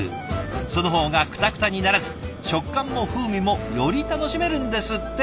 その方がくたくたにならず食感も風味もより楽しめるんですって。